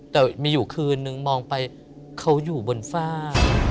แต่มีอยู่คืนนึงมองไปเขาอยู่บนฝ้า